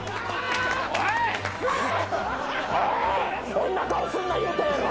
そんな顔すんな言うたやろ。